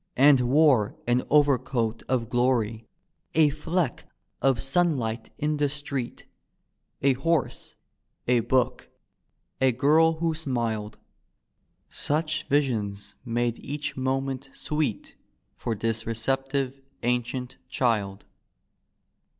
And wore an overcoat of gloiy. A fleck of sunlight in the street, A horse, a book, a girl who smiled. Such visions made each moment sweet For this receptive ancient child.